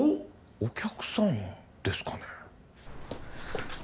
お客さんですかね